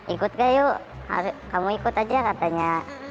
ikut gak yuk kamu ikut aja katanya